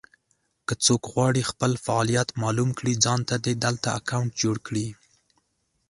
که څوک غواړي خپل فعالیت مالوم کړي ځانته دې دلته اکونټ جوړ کړي.